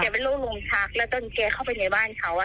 เป็นโรคลมชักแล้วตอนแกเข้าไปในบ้านเขา